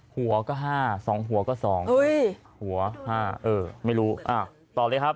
หัวก็๕๒หัวก็๒หัว๕เออไม่รู้ต่อเลยครับ